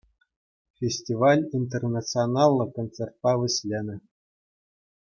Фестиваль интернационаллӑ концертпа вӗҫленӗ.